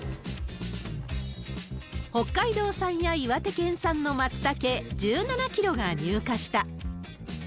北海道産や岩手県産のマツタケ１７キロが入荷した。